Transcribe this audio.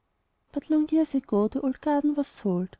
But long years ago the old garden was sold!